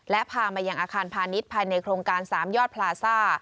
และพามายังอาคารพาณิชย์ภายในโครงการ๓ยอดพลาซ่า